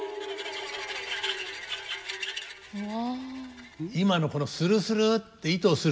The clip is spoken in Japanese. うわ。